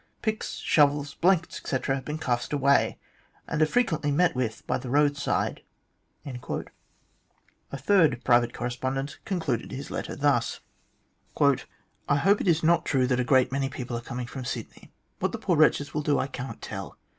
Picks, shovels, blankets, etc., have been cast away, and are frequently met with by the roadside." A third private correspondent concluded his letter thus :" I hope it is not true that a great many people are coming from Sydney. What the poor wretches will do I cannot tell.